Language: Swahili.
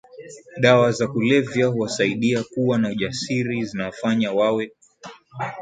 dawa za kulevya huwasaidia kuwa na ujasiri zinawafanya wawe